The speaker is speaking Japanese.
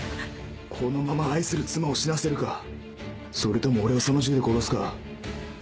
このまま愛する妻を死なせるかそれとも俺をその銃で殺すか。